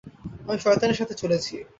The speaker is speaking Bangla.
আমি শয়তানের সাথে চলেছি!